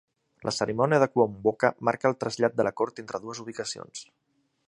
La cerimònia de Kuomboka marca el trasllat de la cort entre dues ubicacions.